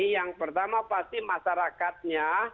yang pertama pasti masyarakatnya